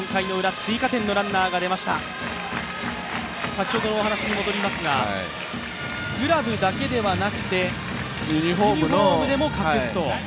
先ほどのお話に戻りますがグラブだけではなくてユニフォームでも隠すと。